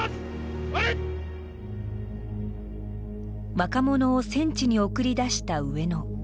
若者を戦地に送り出した上野。